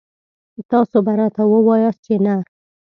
تاسو به راته وواياست چې نه.